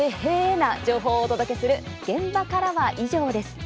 な情報をお届けする「現場からは以上です」。